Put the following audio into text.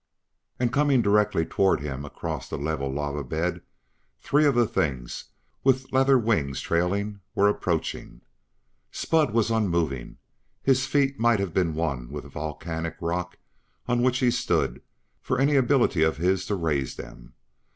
And, coming directly toward him across a level lava bed, three of the things, with leather wings trailing, were approaching. Spud was unmoving; his feet might have been one with the volcanic rock on which he stood for any ability of his to raise them.